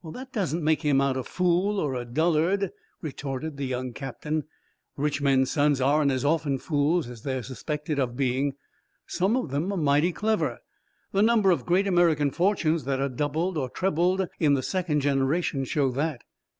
"That doesn't make him out a fool or a dullard," retorted the young captain. "Rich men's sons aren't as often fools as they're suspected of being. Some of them are mighty clever. The number of great American fortunes that are doubled, or trebled, in the second generation, show that."